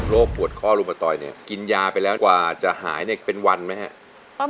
โรคปวดข้อรุมตรอยเนี่ยกินยาไปแล้วกว่าจะหายเป็นวันไหมฮะ